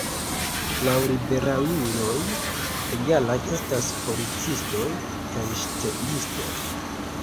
Laŭ liberaluloj, egalaj estas policistoj kaj ŝtelistoj.